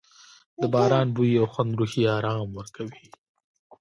د باران بوی او خوند روحي آرام ورکوي.